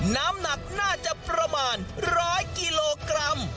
น้ำหนักน่าจะประมาณ๑๐๐กิโลกรัม